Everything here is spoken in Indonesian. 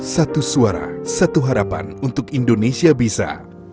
satu suara satu harapan untuk indonesia bisa